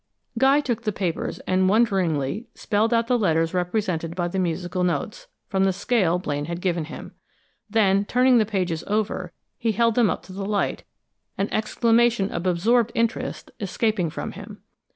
Guy took the papers, and wonderingly spelled out the letters represented by the musical notes, from the scale Blaine had given him. Then turning the pages over, he held them up to the light, an exclamation of absorbed interest escaping from him.